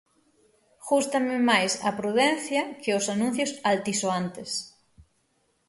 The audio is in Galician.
Gústame máis a prudencia que os anuncios altisoantes.